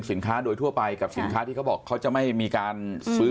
โดยทั่วไปกับสินค้าที่เขาบอกเขาจะไม่มีการซื้อ